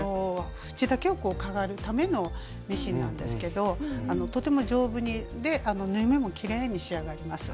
縁だけをかがるためのミシンなんですけどとても丈夫で縫い目もきれいに仕上がります。